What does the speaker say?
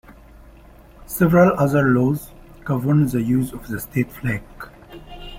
Several other laws govern the use of the state flag.